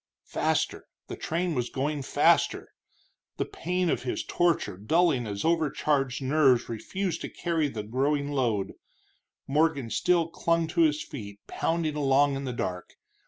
Faster the train was going faster! The pain of his torture dulling as overcharged nerves refused to carry the growing load, Morgan still clung to his feet, pounding along in the dark.